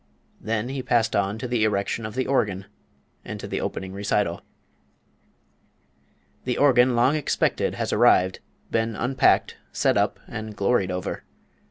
Then he passed on to the erection of the organ, and to the opening recital. "The organ long expected has arrived, been unpacked, set up, and gloried over.